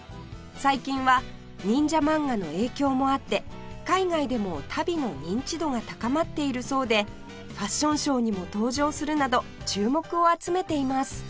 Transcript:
最近は忍者漫画の影響もあって海外でも足袋の認知度が高まっているそうでファッションショーにも登場するなど注目を集めています